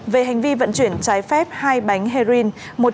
về hành vi vận chuyển trái phép hai bánh heroin